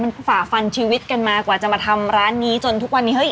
มันฝ่าฟันชีวิตกันมากว่าจะมาทำร้านนี้จนทุกวันนี้เฮ้ย